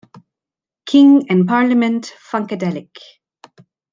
King, and Parliament Funkadelic.